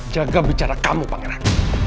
jaga bicara kamu pangeran